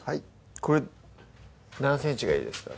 これ何ｃｍがいいですか？